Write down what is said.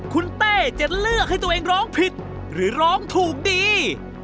คุณเต้จะเลือกให้ตัวเองร้องผิดหรือร้องถูกดี